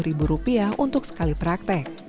lima puluh ribu rupiah untuk sekali praktek